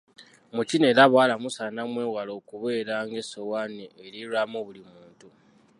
Mu kino era abawala musaana mwewalae okubeera ng'essowaani erirwamu buli muntu.